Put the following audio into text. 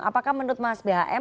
apakah menurut mas bhm